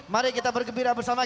mari kita bergembira bersama